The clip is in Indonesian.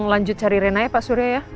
lanjut cari rena ya pak surya ya